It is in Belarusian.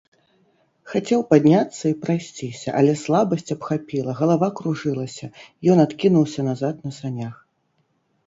Хацеў падняцца і прайсціся, але слабасць абхапіла, галава кружылася, ён адкінуўся назад на санях.